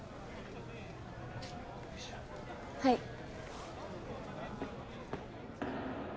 はい。